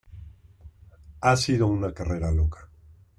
Ha sido una carrera loca.